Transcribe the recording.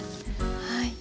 はい。